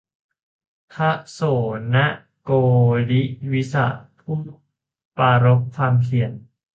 พระโสณโกฬิวิสะ ผู้ปรารภความเพียร